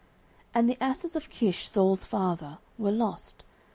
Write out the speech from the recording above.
09:009:003 And the asses of Kish Saul's father were lost.